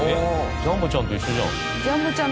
じゃんぼちゃんと一緒じゃん。